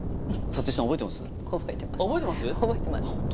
あ覚えてます？